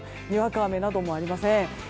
にわか雨などもありません。